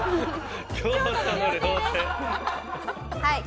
はい。